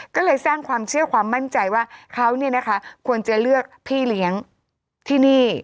ก็เลยสร้างความเชื่อความมั่นใจว่าเขาควรจะเลือกพี่เลี้ยงที่นี่